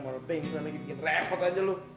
mau nge pengson lagi bikin repot aja lo